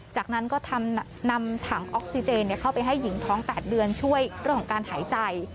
จากนั้นก็นำถังออกซิเจนเข้าไปให้หญิงท้อง๘เดือนช่วยเรื่องของการหายใจ